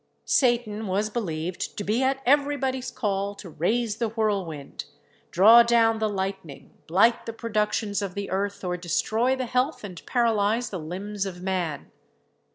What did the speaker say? Satan was believed to be at every body's call to raise the whirlwind, draw down the lightning, blight the productions of the earth, or destroy the health and paralyse the limbs of man.